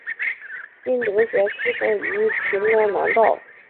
金德贤出生于平安南道。